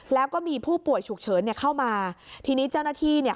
แล้วก็มีผู้ป่วยฉุกเฉินเนี่ยเข้ามาทีนี้เจ้าหน้าที่เนี่ย